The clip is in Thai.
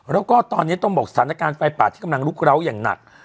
แล้วก็ตอนนี้ต้องบอกสถานการณ์ไฟป่าที่กำลังลุกเล้าอย่างหนัก